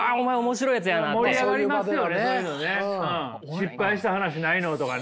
失敗した話ないの？とかね